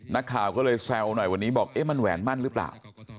นักข่าวก็เลยแซวหน่อยวันนี้บอกเอ๊ะมันแหวนมั่นหรือเปล่า